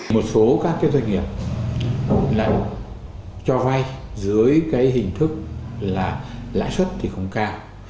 một số các cái doanh nghiệp lại cho vay dưới cái hình thức là lãi suất thì không cao